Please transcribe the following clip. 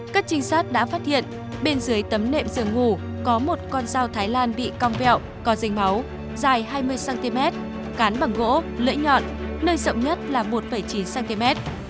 các trinh sát đã phát hiện bên dưới tấm nệm sưởng ngủ có một con dao thái lan bị cong vẹo có rình máu dài hai mươi cm cán bằng gỗ lưỡi nhọn nơi rộng nhất là một chín cm